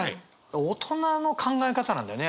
大人の考え方なんだよね